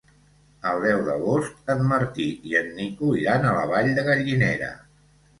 El deu d'agost en Martí i en Nico iran a la Vall de Gallinera.